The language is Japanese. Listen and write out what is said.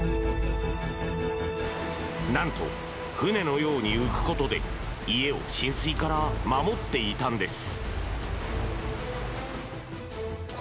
なんと、船のように浮くことで家を浸水から守っていたのです。